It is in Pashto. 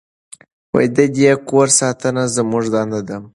د دې کور ساتنه زموږ دنده ده.